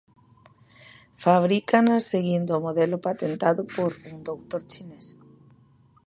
Fabrícanas seguindo o modelo patentado por un doutor chinés.